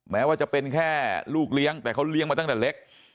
แม้ว่าจะเป็นแค่ลูกเลี้ยงแต่เขาเลี้ยงมาตั้งแต่เล็ก